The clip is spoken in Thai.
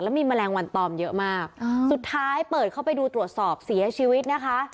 มีแมลงวันตอมเยอะมากสุดท้ายเปิดเข้าไปดูตรวจสอบเสียชีวิตนะคะ